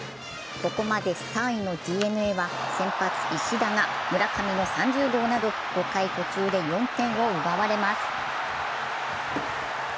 ここまで３位のＤｅＮＡは先発・石田が村上の３０号など、５回途中で４点を奪われます。